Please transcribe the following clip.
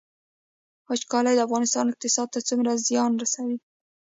وچکالي د افغانستان اقتصاد ته څومره زیان رسوي؟